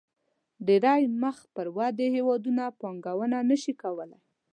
ډېری مخ پر ودې هېوادونه پانګونه نه شي کولای.